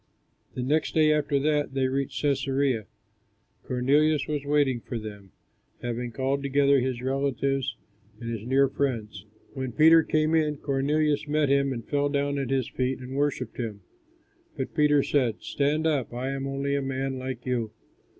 The next day after that, they reached Cæsarea. Cornelius was waiting for them, having called together his relatives and his near friends. When Peter came in, Cornelius met him and fell down at his feet and worshipped him. But Peter said, "Stand up, I am only a man, like you."